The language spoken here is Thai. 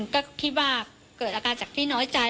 ก็คิดว่าเกิดอาการจากที่น้อยใจ